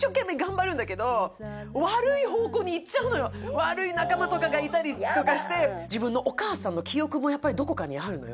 悪い仲間とかがいたりとかして自分のお母さんの記憶もやっぱりどこかにあるのよ